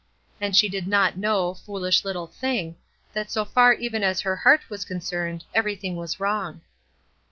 And she did not know, foolish little thing, that so far even as her heart was concerned everything was wrong.